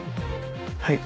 はい。